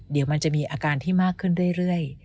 เดี๋ยวมันจะมีอาการที่มากขึ้นเรื่อย